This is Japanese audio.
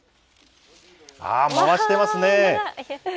あー、回してますね。